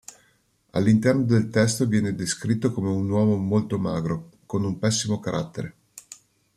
All'interno del testo viene descritto come un uomo molto magro, con un pessimo carattere.